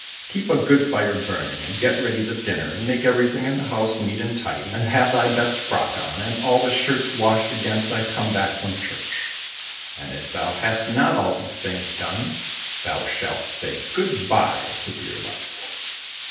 Keep a good fire burning and get ready the dinner, and make everything in the house neat and tidy, and have thy best frock on, and all the shirts washed against I come back from church. And if thou hast not all these things done, thou shalt say good bye to dear life."